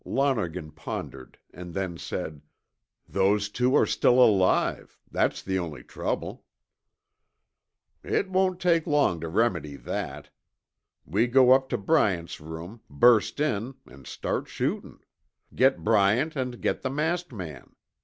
Lonergan pondered and then said, "Those two are still alive. That's the only trouble." "It won't take long to remedy that. We go up to Bryant's room, burst in, and start shootin'. Get Bryant and get the masked man.